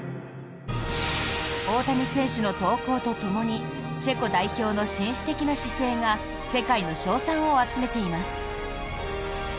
大谷選手の投稿とともにチェコ代表の紳士的な姿勢が世界の称賛を集めています。